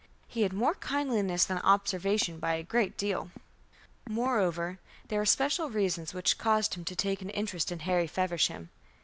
He had more kindliness than observation by a great deal. Moreover, there were special reasons which caused him to take an interest in Harry Feversham.